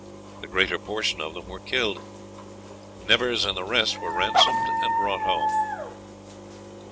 The greater portion of them were killed; Nevers and the rest were ransomed and brought home.